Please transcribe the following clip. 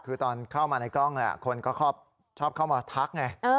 คือตอนเข้ามาในกล้องคนก็ชอบเข้ามาทักไง